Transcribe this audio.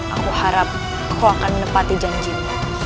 aku harap kau akan menepati janjimu